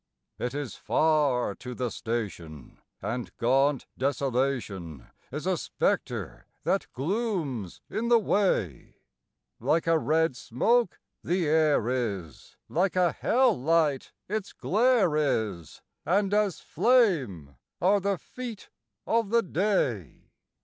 It is far to the station, and gaunt Desolation Is a spectre that glooms in the way; Like a red smoke the air is, like a hell light its glare is, And as flame are the feet of the day.